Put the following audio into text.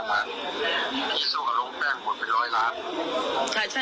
แล้วมันก็อยู่มันเข้าตอนนั้นมันก็ไม่รู้ประวัติมันว่า